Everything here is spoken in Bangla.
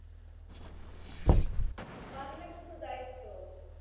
পান না শুধু দায়িত্ব।